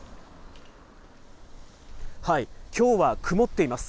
きょうは曇っています。